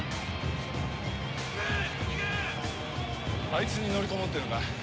あいつに乗り込もうってのか。